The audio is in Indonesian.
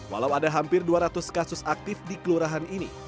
walau ada hampir dua ratus kasus aktif di kelurahan ini